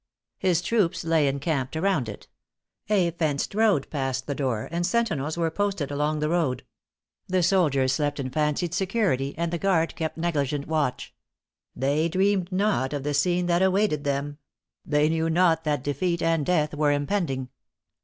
His troops lay encamped around it. A fenced road passed the door, and sentinels were posted along the road. The soldiers slept in fancied security, and the guard kept negligent watch; they dreamed not of the scene that awaited them; they knew not that defeat and death were impending.